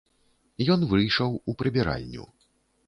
Ён выйшаў у прыбіральню.